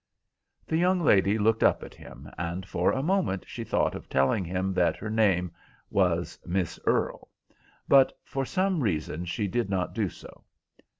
The young lady looked up at him, and for a moment she thought of telling him that her name was Miss Earle, but for some reason she did not do so.